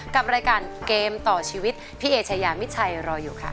กับรายการเกมต่อชีวิตพี่เอชายามิดชัยรออยู่ค่ะ